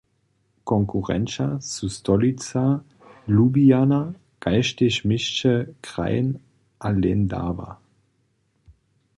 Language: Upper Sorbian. Konkurenća su stolica Ljubljana kaž tež měsće Kranj a Lendava.